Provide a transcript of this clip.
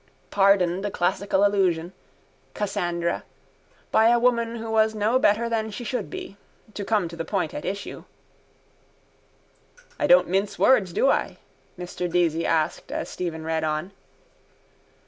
Pardoned a classical allusion. Cassandra. By a woman who was no better than she should be. To come to the point at issue. —I don't mince words, do I? Mr Deasy asked as Stephen read on.